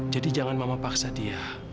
jadi jangan mama paksa dia